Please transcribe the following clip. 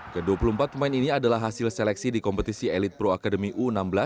ke dua puluh empat pemain ini adalah hasil seleksi di kompetisi elit pro academy u enam belas